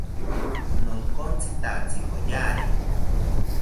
Nonkotzitatzi oyari